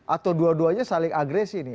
atau dua duanya saling agresi nih